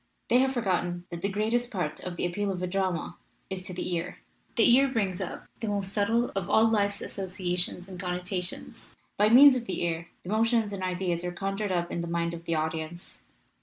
They have forgotten that the greatest part of the appeal of a drama is to the ear. The ear brings up the most subtle of all life's associations and connotations. By means of the ear the mo tions and ideas are conjured up in the mind of the audience.